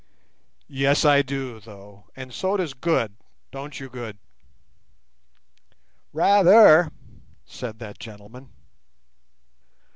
"Yes I do, though, and so does Good; don't you, Good?" "Rather," said that gentleman.